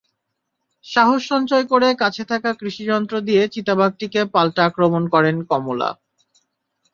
সাহস সঞ্চয় করে কাছে থাকা কৃষিযন্ত্র দিয়ে চিতাবাঘটিকে পাল্টা আক্রমণ করেন কমলা।